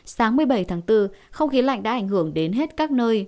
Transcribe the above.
sáng một mươi bảy tháng bốn không khí lạnh đã ảnh hưởng đến hết các nơi